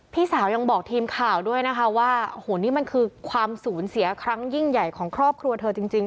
พี่สาวยังบอกทีมข่าวด้วยนะคะว่าโอ้โหนี่มันคือความสูญเสียครั้งยิ่งใหญ่ของครอบครัวเธอจริง